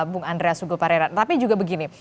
bung andreasugul parerat tapi juga begini